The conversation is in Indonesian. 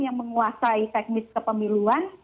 yang menguasai teknis kepemiluan